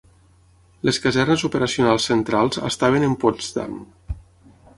Les casernes operacionals centrals estaven en Potsdam.